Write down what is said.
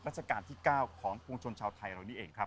ราชกาลที่เก้าของ๑๙๓๓ของชนชาวไทยตอนนี้เอง